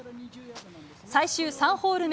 最終３ホール目。